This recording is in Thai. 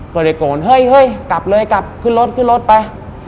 ก็เลยโกนเฮ้ยเฮ้ยกลับเลยกลับขึ้นรถขึ้นรถไป